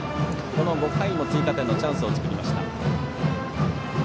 ５回も追加点のチャンスを作りました。